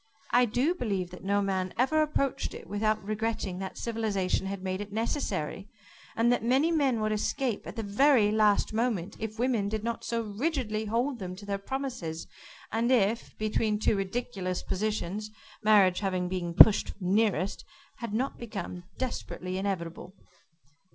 I do believe that no man ever approached it without regretting that civilization had made it necessary, and that many men would escape, at the very last moment, if women did not so rigidly hold them to their promises, and if, between two ridiculous positions, marriage having been pushed nearest, had not become desperately inevitable."